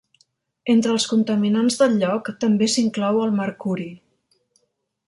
Entre els contaminants del lloc també s'inclou el mercuri.